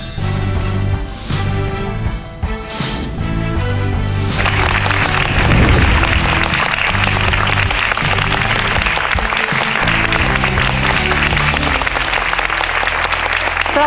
สวัสดีครับ